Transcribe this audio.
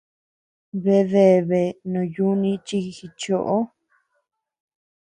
Bea deabea no yuni chi jichoó.